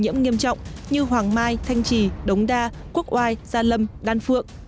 nhiều nơi nghiêm trọng như hoàng mai thanh trì đống đa quốc oai gia lâm đan phượng